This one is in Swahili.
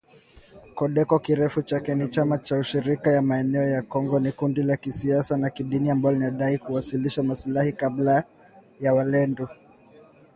KODEKO kirefu chake ni chama cha ushirika ya maendeleo ya Kongo ni kundi la kisiasa na kidini ambalo linadai linawakilisha maslahi ya kabila la walendu